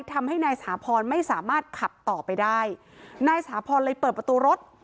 ทำให้นายสาพรไม่สามารถขับต่อไปได้นายสาพรเลยเปิดประตูรถ